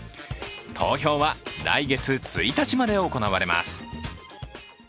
投票は来月１日まで行われます。